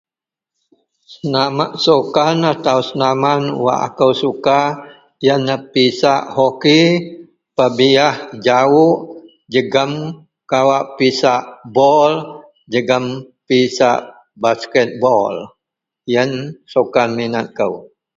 Nama sukan atau senaman wak akou suka iyenlah pisak hoki pebiyah jawok jegem kawak pisak bol jegem pisak basketball iyen sukan minat kou.